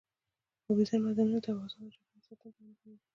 اوبزین معدنونه د افغانستان د چاپیریال ساتنې لپاره مهم دي.